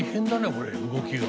これ動きが。